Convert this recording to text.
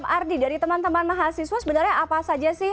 ardi dari teman teman mahasiswa sebenarnya apa saja sih